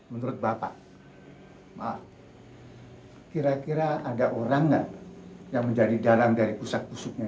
menurut bapak maaf kira kira ada orang yang menjadi dalang dari pusat pusutnya